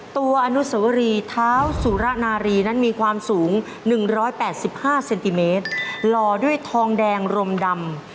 อนุสวรีเท้าสุระนารีนั้นมีความสูง๑๘๕เซนติเมตรหล่อด้วยทองแดงรมดำ